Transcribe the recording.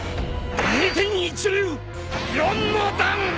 二天一流四の段。